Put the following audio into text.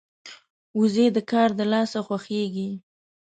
وزې د کار د لاسه خوښيږي